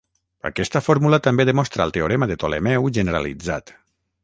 Aquesta fórmula també demostra el teorema de Ptolemeu generalitzat.